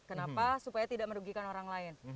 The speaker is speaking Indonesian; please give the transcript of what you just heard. kenapa supaya tidak merugikan orang lain